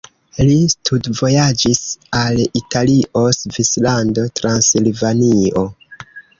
Li studvojaĝis al Italio, Svislando, Transilvanio.